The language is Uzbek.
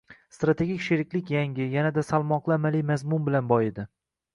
Strategik sheriklik yangi, yanada salmoqli amaliy mazmun bilan boyidi